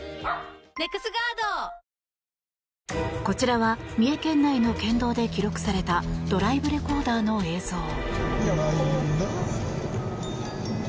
こちらは三重県内の県道で記録されたドライブレコーダーの映像。